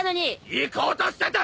いこうとしてた！